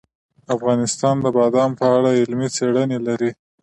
افغانستان د بادام په اړه علمي څېړنې لري.